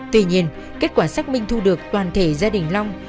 tuy nhiên kết quả xác minh thu được toàn thể gia đình long